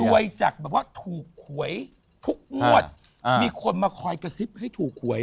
จากแบบว่าถูกหวยทุกงวดมีคนมาคอยกระซิบให้ถูกหวย